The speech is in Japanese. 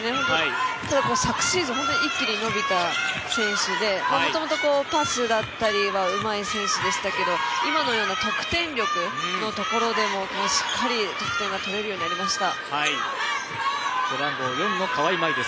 昨シーズン、本当に一気に伸びた選手でもともとパスだったりはうまい選手でしたけど今のような得点力のところでもしっかり、得点が取れるようになりました。